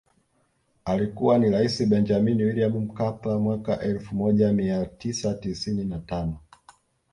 Alikuwa nia rais Benjamini Wiliam Mkapa mwaka elfu moja mia tisa tisini na tano